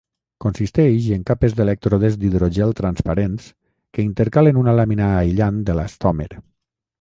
Consisteix en capes d'elèctrodes d'hidrogel transparents que intercalen una làmina aïllant d'elastòmer.